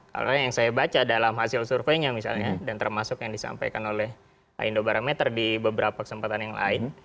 karena yang saya baca dalam hasil surveinya misalnya dan termasuk yang disampaikan oleh indobarometer di beberapa kesempatan yang lain